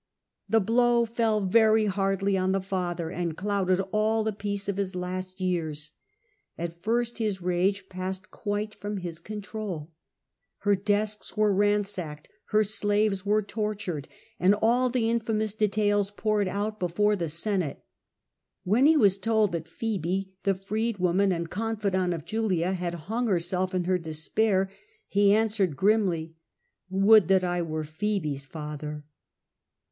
The blow fell very hardly on the father, and clouded all the peace of his last years. At first his rage passed quite from his control. Her desks were ransacked, her slaves were tortured, and all the in famous details poured out before the Senate. When he was told that Pheebe, the freed woman and con fidant of Julia, had hung herself in her despair he answered grimly, ^ Would that I were Phoebe's father.